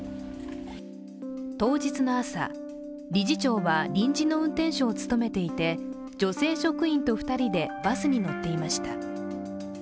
当日の朝、理事長は臨時の運転手を務めていて女性職員と２人でバスに乗っていました。